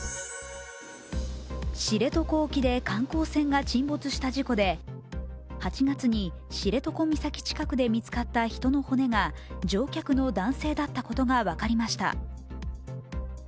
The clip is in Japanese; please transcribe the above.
知床沖で観光船が沈没した事故で８月に知床岬近くで見つかった人の骨が乗客の男性だったことが分かりました。